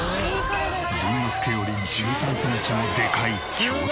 倫之亮より１３センチもでかい強敵。